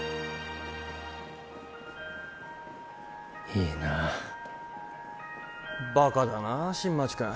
いいなバカだな新町君